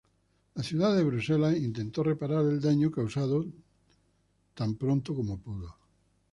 La ciudad de Bruselas intentó reparar el daño causado tan pronto como pudo.